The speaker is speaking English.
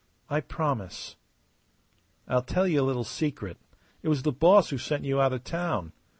"I promise." "I'll tell you a little secret. It was the boss who sent you out of town.